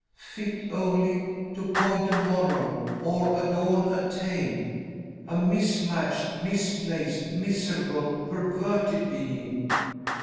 Fit only 'To point a moral, or adorn a tale' a mismatched, misplaced, miserable, perverted being."